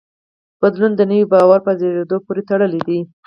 بدلون د نوي باور په زېږېدو پورې تړلی دی.